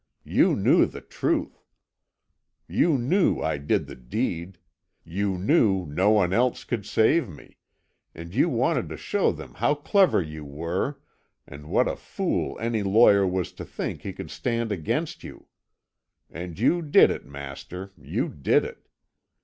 You knew the truth you knew I did the deed you knew no one else could save me and you wanted to show them how clever you were, and what a fool any lawyer was to think he could stand against you. And you did it, master, you did it.